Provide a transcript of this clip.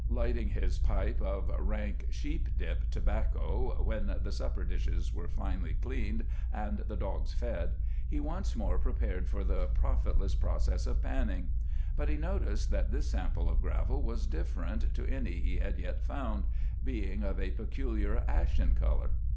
Lighting his pipe of rank "sheep dip" tobacco when the supper dishes were finally cleaned and the dogs fed, he once more prepared for the profitless process of panning. But he noticed that this sample of gravel was different to any he had yet found, being of a peculiar ashen color.